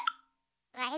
あれ？